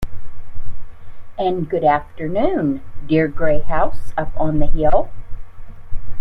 And good afternoon, dear gray house up on the hill.